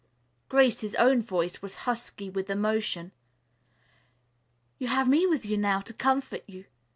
Grace's own voice was husky with emotion. "You have me with you now to comfort you.